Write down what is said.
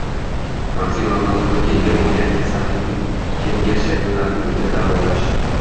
Maksimal ma'lumotga ega bo'lgan kasallikning engil shakllarini uyda davolash